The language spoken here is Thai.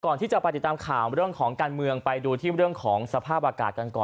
ที่จะไปติดตามข่าวเรื่องของการเมืองไปดูที่เรื่องของสภาพอากาศกันก่อน